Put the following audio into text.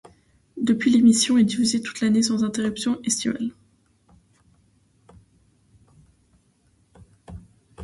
Depuis l'émission est diffusée toute l'année sans interruption estivale.